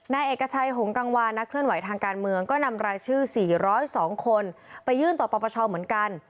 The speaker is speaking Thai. นายเอกชัยหงกังวานักเคลื่อนไหวทางการเมืองก็นำรายชื่อ๔๐๒คนไปยื่นต่อปปชเหมือนกัน